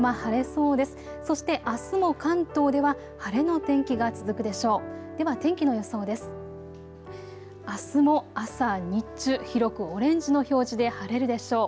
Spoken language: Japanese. そしてあすも関東では晴れの天気が続くでしょう。